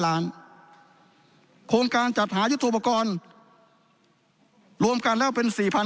ล้านโครงการจัดหายุทธภกรรวมกันแล้วเป็นสี่พัน